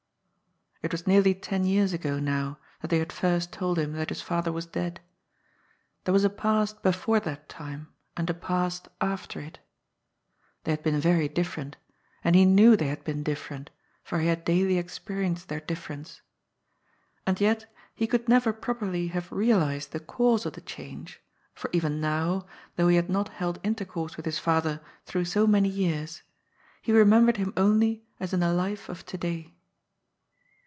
It was nearly ten years ago now that they had first told him that his father was dead. There was a past before that time, and a past after it. They had been very different, and he knew they had been different, for he had daily ex perienced their difference. And yet he could never prop erly have realized the cause of the change, for even now, though he had not held intercourse with his father through 80 many years, he remembered him only as in the life of to day.